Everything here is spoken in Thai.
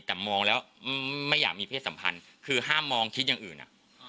แต่มองแล้วไม่อยากมีเพศสัมพันธ์คือห้ามมองคิดอย่างอื่นอ่ะ